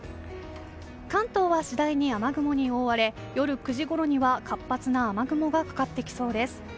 関東は次第に雨雲に覆われ夜９時ごろには活発な雨雲がかかってきそうです。